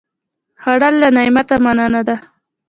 خوړل له نعمته مننه ده